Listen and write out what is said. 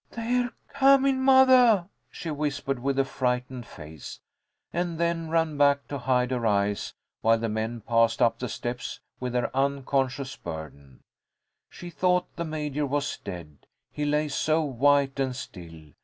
"They're comin', mothah," she whispered, with a frightened face, and then ran back to hide her eyes while the men passed up the steps with their unconscious burden. She thought the Major was dead, he lay so white and still.